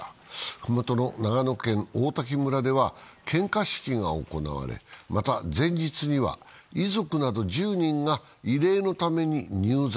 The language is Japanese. ふもとの長野県王滝村では献花式が行われ、また、前日には遺族など１０人が慰霊のために入山。